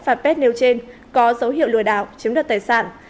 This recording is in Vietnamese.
các trang web fanpage nêu trên có dấu hiệu lùi đảo chiếm đoạt tài sản